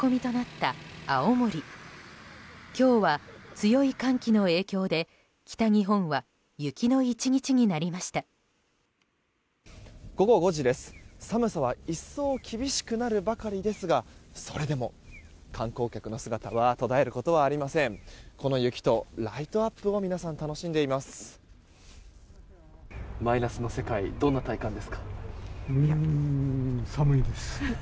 この雪とライトアップを皆さん、楽しんでいます。